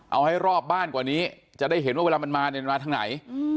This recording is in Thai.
เอาให้รอบบ้านกว่านี้จะได้เห็นว่าเวลามันมาเนี่ยมันมาทางไหน